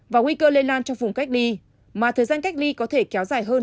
và nguy cơ lây lan trong vùng cách ly mà thời gian cách ly có thể kéo dài hơn